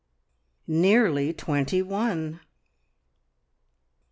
NEARLY TWENTY ONE!